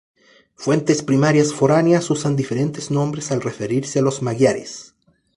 Fuentes primarias foráneas usan diferentes nombres al referirse a los magiares.